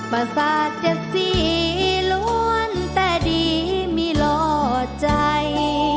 ประสาทเจ็ดสีล้วนแต่ดีมีหล่อใจ